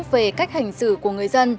về cách hành xử của người dân